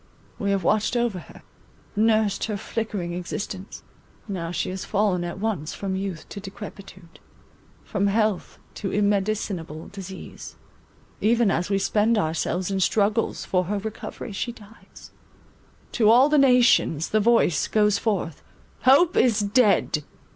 We have watched over her; nursed her flickering existence; now she has fallen at once from youth to decrepitude, from health to immedicinable disease; even as we spend ourselves in struggles for her recovery, she dies; to all nations the voice goes forth, Hope is dead!